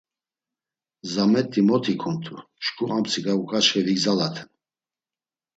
Zamet̆i mot ikumtu, şǩu amtsika uǩaçxe vigzalaten…